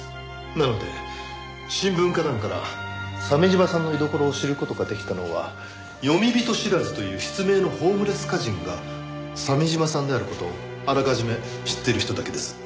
なので新聞歌壇から鮫島さんの居所を知る事ができたのは「詠み人知らず」という筆名のホームレス歌人が鮫島さんである事をあらかじめ知っている人だけです。